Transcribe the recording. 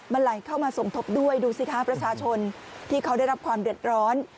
มันไหลเข้ามาสมทบด้วยดูสิคะประชาชนที่เขาได้รับความเดือดร้อน